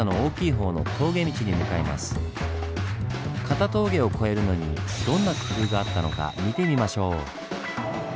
片峠を越えるのにどんな工夫があったのか見てみましょう。